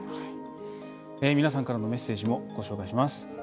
皆さんからのメッセージもご紹介します。